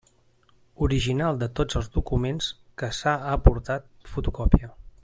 Original de tots els documents que s'ha aportat fotocopia.